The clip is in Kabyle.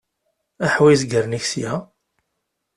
Ḥwi izgaren-ik sya.